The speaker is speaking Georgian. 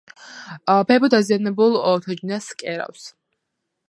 ბებო დაზიანებულ თოჯინას კერავს